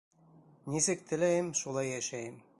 Нисек теләйем, шулай йәшәйем.